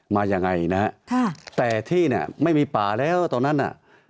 มายังไงนะฮะค่ะแต่ที่เนี่ยไม่มีป่าแล้วตอนนั้นน่ะ